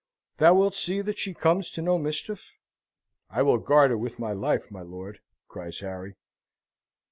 Thou wilt see that she comes to no mischief?" "I will guard her with my life, my lord!" cries Harry.